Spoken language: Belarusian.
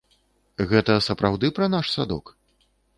Гэта сапраўды пра наш садок?